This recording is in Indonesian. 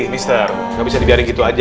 mister gak bisa dibiarin gitu aja